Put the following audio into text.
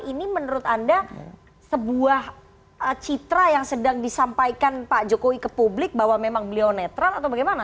ini menurut anda sebuah citra yang sedang disampaikan pak jokowi ke publik bahwa memang beliau netral atau bagaimana